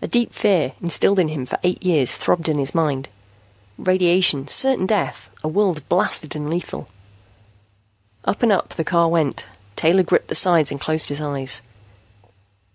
A deep fear, instilled in him for eight years, throbbed in his mind. Radiation, certain death, a world blasted and lethal Up and up the car went. Taylor gripped the sides and closed his eyes.